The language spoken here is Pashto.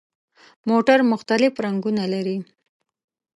موټر مختلف رنګونه لري.